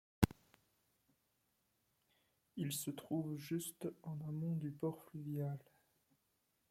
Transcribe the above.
Il se trouve juste en amont du port fluvial.